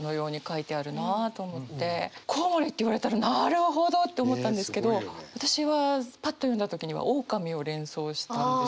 「コウモリ」って言われたらなるほどって思ったんですけど私はパッと読んだ時にはオオカミを連想したんですね。